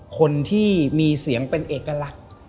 คนที่มีเสียงเป็นเอกลักษณ์